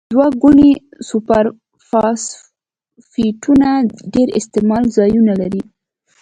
دوه ګونې سوپر فاسفیټونه ډیر استعمال ځایونه لري.